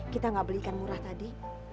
kita nggak beli ikan murah tadi